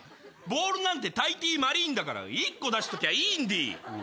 ボールなんてたいてぃーまりーんだから１個出しときゃいいんでぃー。